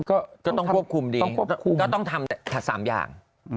ก็ต้องควบคุมดีก็ต้องทำถัด๓อย่าง